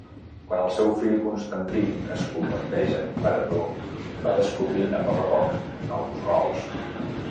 Quan el seu fill Constantí es converteix en emperador, va descobrint a poc a poc nous rols.